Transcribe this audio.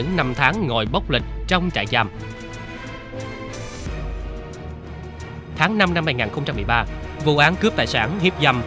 người mồ côi cha